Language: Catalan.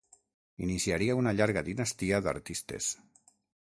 Iniciaria una llarga dinastia d'artistes.